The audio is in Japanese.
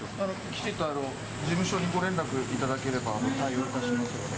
きちんと事務所にご連絡いただければ、対応いたしますので。